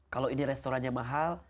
kalo ini restorannya mahal